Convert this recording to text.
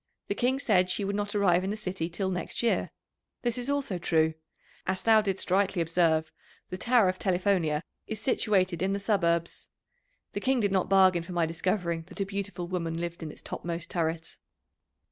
The King said she would not arrive in the city till next year. This also is true. As thou didst rightly observe, the Tower of Telifonia is situated in the suburbs. The King did not bargain for my discovering that a beautiful woman lived in its topmost turret."